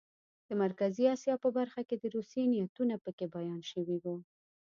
د مرکزي اسیا په برخه کې د روسیې نیتونه پکې بیان شوي وو.